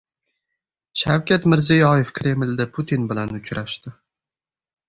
Shavkat Mirziyoyev Kremlda Putin bilan uchrashdi